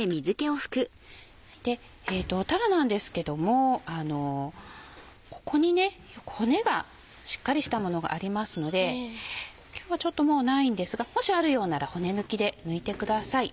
たらなんですけどもここに骨がしっかりしたものがありますので今日はもうないんですがもしあるようなら骨抜きで抜いてください。